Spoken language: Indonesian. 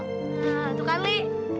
nah tuh kan li